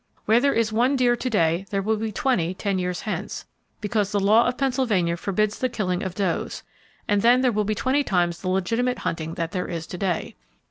Where there is one deer to day there will be twenty ten years hence,—because the law of Pennsylvania forbids the killing of does; and then there will be twenty times the legitimate hunting that there is to day.